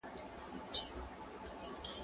زه کولای سم پلان جوړ کړم!؟